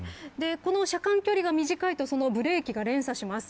この車間距離が短いとそのブレーキが連鎖します。